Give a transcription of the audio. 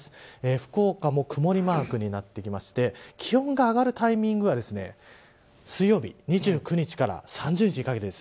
福岡も曇りマークになってきまして気温が上がるタイミングは水曜日、２９日から３０日にかけてです。